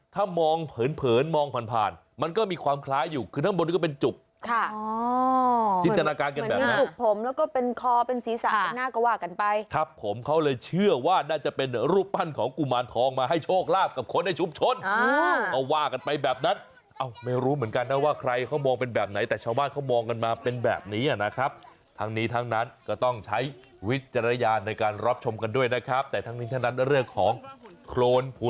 คือทั้งบนนี้ก็เป็นจุบจิตนาการกันแบบนั้นเหมือนมีกุกผมแล้วก็เป็นคอเป็นสีสัตว์แต่หน้าก็ว่ากันไปครับผมเขาเลยเชื่อว่าน่าจะเป็นรูปปั้นของกุมานทองมาให้โชคลาภกับคนในชุบชนก็ว่ากันไปแบบนั้นไม่รู้เหมือนกันนะว่าใครเขามองเป็นแบบไหนแต่ชาวบ้านเขามองกันมาเป็นแบบนี้นะครับทั้งนี้ทั้งนั้นก็ต้องใช้วิจาร